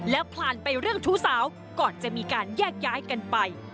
แล้วพลานไปเรื่องชู้สาวก่อนจะมีการแยกย้ายกันไป